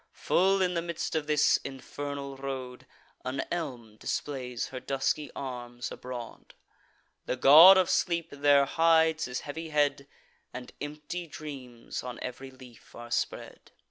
Full in the midst of this infernal road, An elm displays her dusky arms abroad: The God of Sleep there hides his heavy head, And empty dreams on ev'ry leaf are spread.